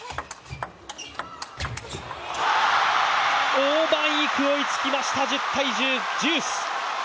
王曼イク、追いつきました、１０−１０ジュース